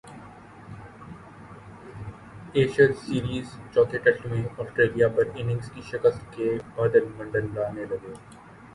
Ashes series چوتھے test میں Australia پر اننگز کی شکست کے بادل منڈلانے لگے